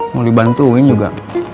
mau dibantuin juga